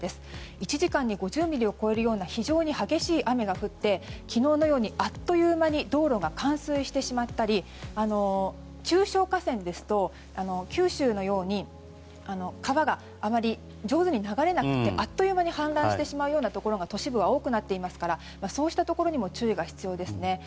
１時間に５０ミリを超えるような非常に激しい雨が降って昨日のようにあっという間に道路が冠水してしまったり中小河川ですと九州のように川があまり上手に流れなくてあっという間に氾濫してしまうようなところが都市部は多くなっていますからそうしたところにも注意が必要ですね。